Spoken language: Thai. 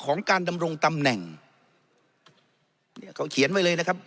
การดำรงตำแหน่งเนี่ยเขาเขียนไว้เลยนะครับ